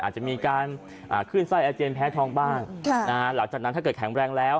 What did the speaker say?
อาจจะมีการขึ้นไส้อาเจียนแพ้ทองบ้างหลังจากนั้นถ้าเกิดแข็งแรงแล้ว